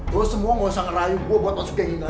lo semua gak usah ngerayu gue buat masuk geng ini aja